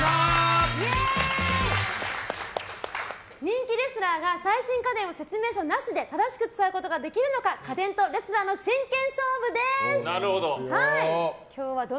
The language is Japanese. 人気レスラーが最新家電を説明書なしで正しく使うことができるのか家電とレスラーの真剣勝負です。